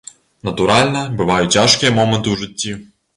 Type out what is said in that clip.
Натуральна, бываюць цяжкія моманты ў жыцці.